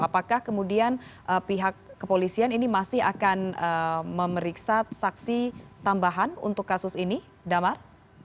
apakah kemudian pihak kepolisian ini masih akan memeriksa saksi tambahan untuk kasus ini damar